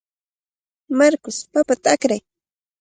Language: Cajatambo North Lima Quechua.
Marcos, papata akray.